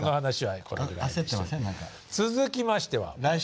続きましては。